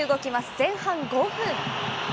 前半５分。